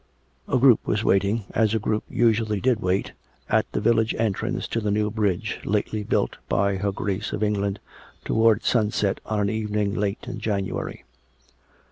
A group was waiting (as a group usually did wait) at the village entrance to the new bridge lately built by her Grace of England, towards sunset on an evening late in January.